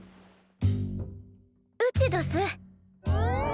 うちどす。